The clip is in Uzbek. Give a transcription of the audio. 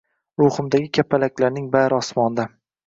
Ruhimdagi kapalaklarning bari osmonda